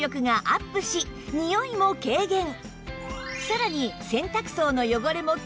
さらに